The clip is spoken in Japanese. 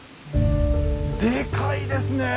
でかいですねえ